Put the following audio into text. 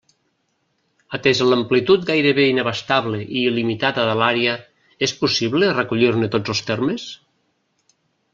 Atesa l'amplitud gairebé inabastable i il·limitada de l'àrea, és possible recollir-ne tots els termes?